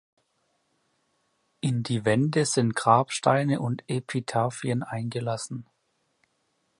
In die Wände sind Grabsteine und Epitaphien eingelassen.